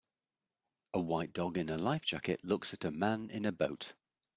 A white dog in a life jacket looks at a man in a boat.